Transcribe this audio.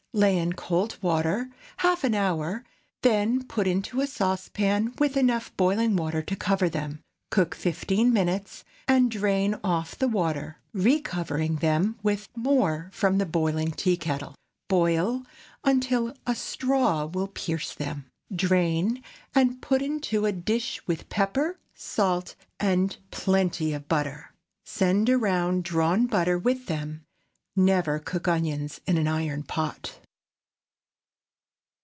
Lay in cold water half an hour, then put into a saucepan with enough boiling water to cover them. Cook fifteen minutes and drain off the water, re covering them with more from the boiling tea kettle. Boil until a straw will pierce them; drain and put into a dish with pepper, salt, and plenty of butter. Send around drawn butter with them. Never cook onions in an iron pot.